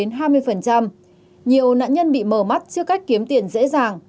nhiều nạn nhân bị mờ mắt trước cách kiếm tiền dễ dàng